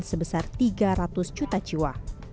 sebesar tiga ratus juta jiwa